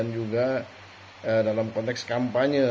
juga dalam konteks kampanye